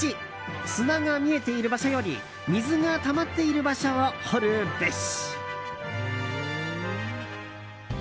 砂が見えている場所より水がたまっている場所を掘るべし。